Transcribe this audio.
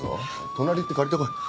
隣行って借りてこい。